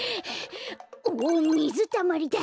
おっみずたまりだ！